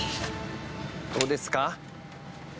どうですか？